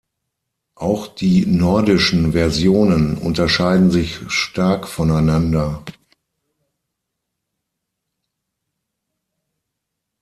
Auch die nordischen Versionen unterscheiden sich stark voneinander.